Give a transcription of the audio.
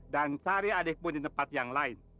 dan cari adikmu di tempat yang lain